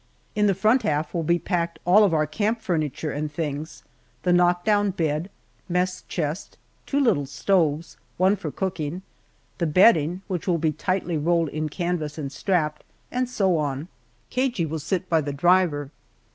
In the front half will be packed all of our camp furniture and things, the knockdown bed, mess chest, two little stoves (one for cooking), the bedding which will be tightly rolled in canvas and strapped, and so on. Cagey will sit by the driver.